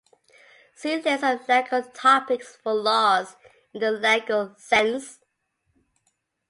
See List of legal topics for 'laws' in the legal sense.